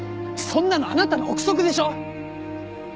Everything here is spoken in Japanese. そんなのあなたの臆測でしょ！